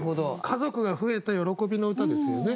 家族が増えた喜びの歌ですよね。